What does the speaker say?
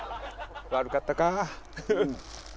悪かったか。